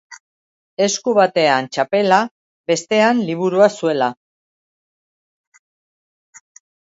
Esku batean txapela, bestean liburua zuela.